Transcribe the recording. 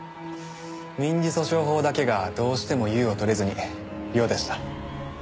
民事訴訟法だけがどうしても「優」を取れずに「良」でした。